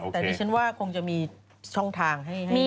แต่ตอนนี้ผมว่าคงจะมีช่องทางให้